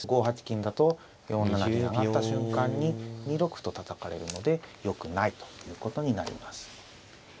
５八金だと４七に上がった瞬間に２六歩とたたかれるので良くないということになります。